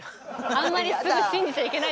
あんまりすぐ信じちゃいけないです。